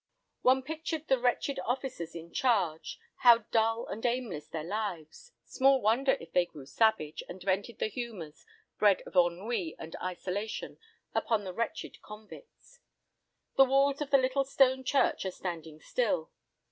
One pictured the wretched officers in charge. How dull and aimless their lives! Small wonder if they grew savage, and vented the humours, bred of ennui and isolation, upon the wretched convicts. The walls of the little stone church are standing still.